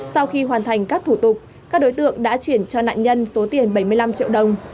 sau khi hoàn thành các thủ tục các đối tượng đã chuyển cho nạn nhân số tiền bảy mươi năm triệu đồng